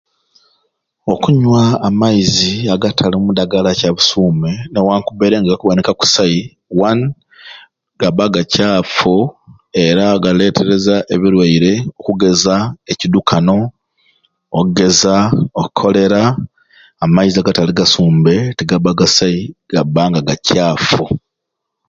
Okunywa amaizi agatalimu ddagala kyabusuume newankubbaire nga gakuboneka kusai wanu gabba gacaafu era galeetereza ebirwaire okugeza ekidukano okugeza o Kolera amaizi agatali gasumbe tigabba gasai gabba nga gacaafu.